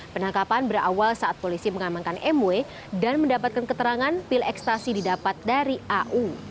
penangkapan berawal saat polisi mengamankan mw dan mendapatkan keterangan pil ekstasi didapat dari au